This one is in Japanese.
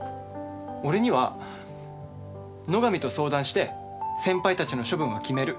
俺には「野上と相談して先輩たちの処分は決める。